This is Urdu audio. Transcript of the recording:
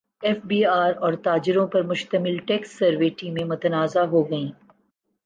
ایف بی ار اور تاجروں پر مشتمل ٹیکس سروے ٹیمیں متنازع ہو گئیں